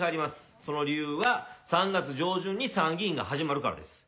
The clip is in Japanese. その理由は、３月上旬に参議院が始まるからです。